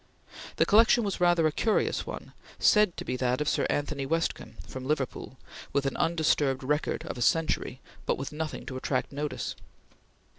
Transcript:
The collection was rather a curious one, said to be that of Sir Anthony Westcomb, from Liverpool, with an undisturbed record of a century, but with nothing to attract notice.